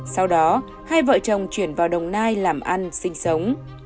sau đó hai vợ chồng chuyển vào đồng nai làm ăn sinh sống